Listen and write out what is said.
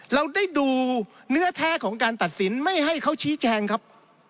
เราได้ดูเนื้อแท้ของการตัดสินไม่ให้เขาชี้แจงครับ